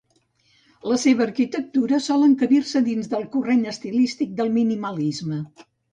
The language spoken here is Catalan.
La seva arquitectura sol encabir-se dins del corrent estilístic del minimalisme.